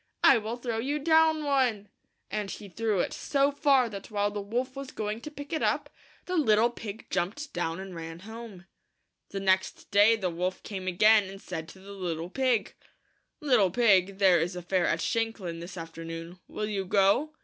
" I will throw you down one and he threw it so far that while the wolf was going to pick it up, the little pig jumped down and ran home. ■, Ay The next day the woH came again, v and said to the little pig, " Little pig, there is a fair at Shanklin this after noon ; will you go